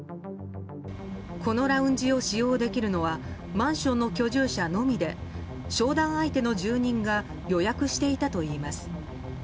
このラウンジを使用できるのはマンションの居住者のみで商談相手の住人が予約していたといいます。